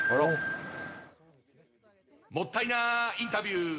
もったいなインタビュー！